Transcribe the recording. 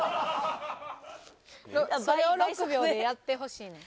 それを６秒でやってほしいねん。